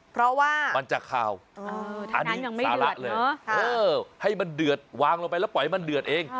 เพราะว่ามันจะขาวอันนี้ยังไม่สาระเลยให้มันเดือดวางลงไปแล้วปล่อยให้มันเดือดเอง